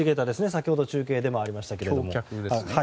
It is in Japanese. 先ほど中継でもありましたけども。